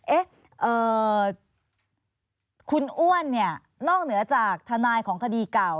เอ๊ะคุณอ้วนเนี่ยนอกเหนือจากทนายของคดีเก่า